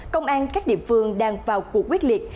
công an các địa phương đang vào cuộc quyết liệt